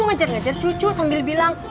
ngajar ngajar cucu sambil bilang